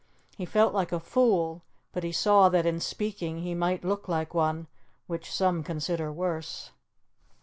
He felt like a fool, but he saw that in speaking he might look like one, which some consider worse.